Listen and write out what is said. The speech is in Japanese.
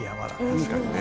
確かにね。